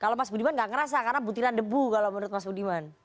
kalau mas budiman gak ngerasa karena butiran debu kalau menurut mas budiman